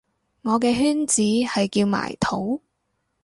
我嘅圈子係叫埋土